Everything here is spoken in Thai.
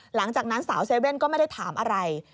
หลังจากนั้นสาวเซเว่นก็ไม่ได้ถามอะไร